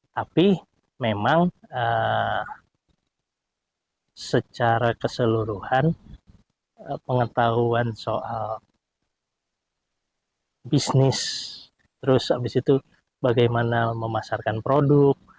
tapi memang secara keseluruhan pengetahuan soal bisnis terus abis itu bagaimana memasarkan produk